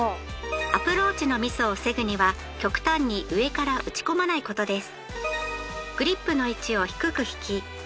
アプローチのミスを防ぐには極端に上から打ち込まないことです。